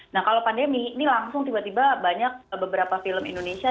nah kalau pandemi ini langsung tiba tiba banyak beberapa film indonesia